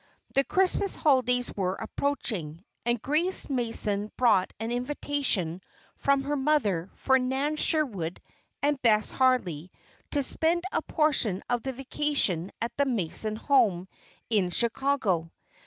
The Christmas holidays were approaching, and Grace Mason brought an invitation from her mother for Nan Sherwood and Bess Harley to spend a portion of the vacation at the Mason home in Chicago.